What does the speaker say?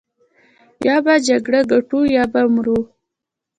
يا به جګړه ګټو يا به مرو.